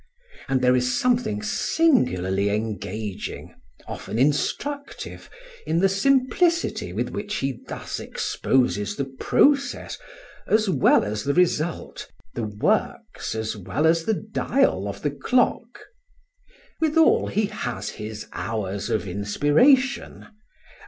And there is something singularly engaging, often instructive, in the simplicity with which he thus exposes the process as well as the result, the works as well as the dial of the clock. Withal he has his hours of inspiration.